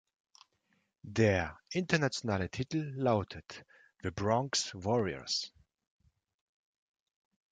Der internationale Titel lautet "The Bronx Warriors".